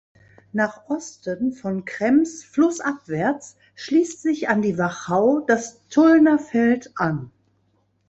Nach Osten, von Krems flussabwärts, schließt sich an die Wachau das Tullnerfeld an.